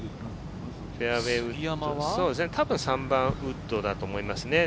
たぶん３番ウッドだと思います。